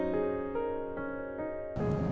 tidak ada masalah